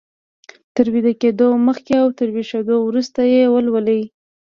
تر ويده کېدو مخکې او تر ويښېدو وروسته يې ولولئ.